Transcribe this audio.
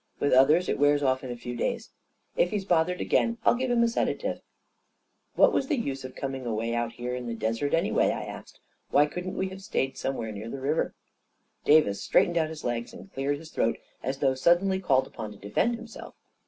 With others it wears off in a few days. If he's bothered again, I'll give him a sedative." 11 What was the use of coming away out here in A KING IN BABYLON 127 the desert, anyway? " I asked. " Why couldn't we have stayed somewhere near the river?" Davis straightened out his legs and cleared his throat, as though suddenly called upon to defend himself.